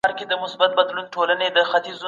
د روغتیايي خدمتونو حق ټولو وګړو ته نه ورکول کیږي.